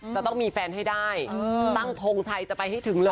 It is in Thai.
จะต้องมีแฟนให้ได้ตั้งทงชัยจะไปให้ถึงเลย